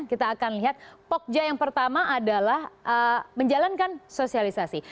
kita akan lihat pokja yang pertama adalah menjalankan sosialisasi